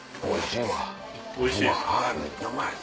おいしいわ！